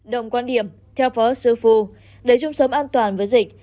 động quan điểm theo phó sư phù để trung sống an toàn với dịch